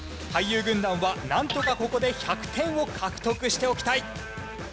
俳優軍団はなんとかここで１００点を獲得しておきたい。